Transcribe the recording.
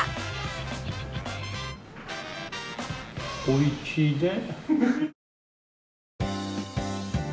おいちいね。